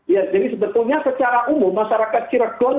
ya jadi sebetulnya secara umum masyarakat cirebon